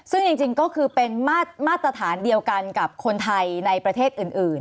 ซึ่งจริงก็คือเป็นมาตรฐานเดียวกันกับคนไทยในประเทศอื่น